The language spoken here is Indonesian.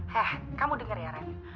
hah kamu denger ya randy